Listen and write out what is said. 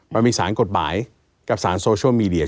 มันมีสารกฎหมายกับสารโซเชียลมีเดีย